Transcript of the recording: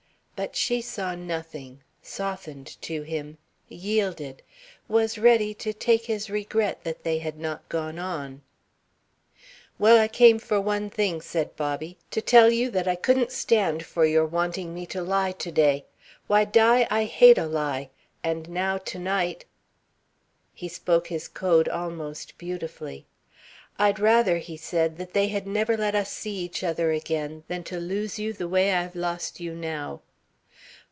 But she saw nothing, softened to him, yielded, was ready to take his regret that they had not gone on. "Well, I came for one thing," said Bobby, "to tell you that I couldn't stand for your wanting me to lie to day. Why, Di I hate a lie. And now to night " He spoke his code almost beautifully. "I'd rather," he said, "they had never let us see each other again than to lose you the way I've lost you now."